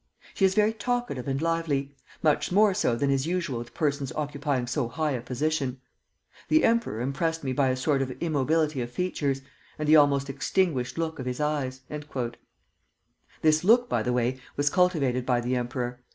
She is very talkative and lively, much more so than is usual with persons occupying so high a position. The emperor impressed me by a sort of immobility of features, and the almost extinguished look of his eyes." This look, by the way, was cultivated by the emperor.